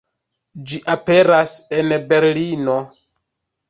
Ĝi aperas en Berlino.